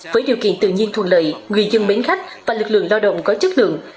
với điều kiện tự nhiên thuần lợi người dân mến khách và lực lượng lao động có chất lượng